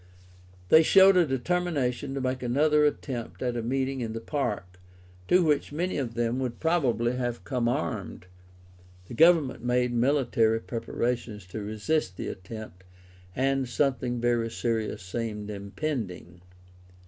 They showed a determination to make another attempt at a meeting in the Park, to which many of them would probably have come armed; the Government made military preparations to resist the attempt, and something very serious seemed impending.